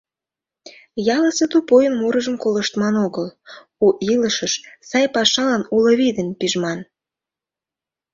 Ялысе тупуйын мурыжым колыштман огыл, у илышыш, сай пашалан уло вий дене пижман.